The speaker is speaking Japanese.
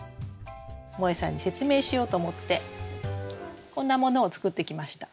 もえさんに説明しようと思ってこんなものを作ってきました。